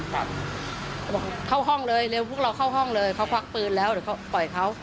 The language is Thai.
เขาบอกเข้าห้องเลยเร็วพวกเราเข้าห้องเลยเขาควักปืนแล้วเดี๋ยวเขาปล่อยเขา